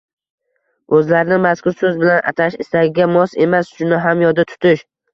o‘zlarini mazkur so‘z bilan atash istagiga mos emas. Shuni ham yodda tutish